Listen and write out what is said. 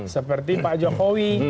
seperti pak jokowi